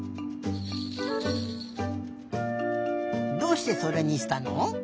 どうしてそれにしたの？